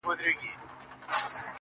د تورو شپو پر تك تور تخت باندي مــــــا.